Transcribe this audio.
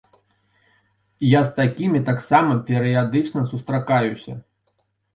Я з такімі таксама перыядычна сустракаюся.